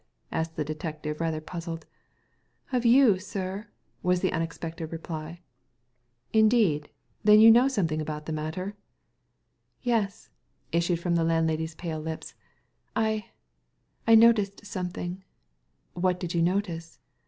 asked the detective, rather puzzled. " Of you, sir," was the unexpected reply. "Indeed! then you know something about the matter ?" Digitized by Google THE DEATH CARD 23 " Yes !issued from the landlady's pale lips, " I— I noticed something." " What did you notice